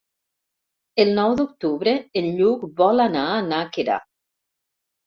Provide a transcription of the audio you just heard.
El nou d'octubre en Lluc vol anar a Nàquera.